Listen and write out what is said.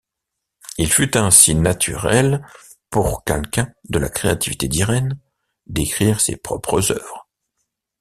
Il fut ainsi naturel pour quelqu'un de la créativité d'Irene d'écrire ses propres œuvres.